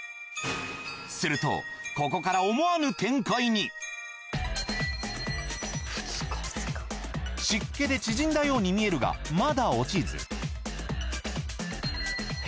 するとここから湿気で縮んだように見えるがまだ落ちず。